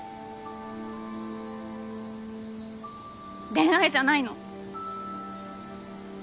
恋愛じゃないの。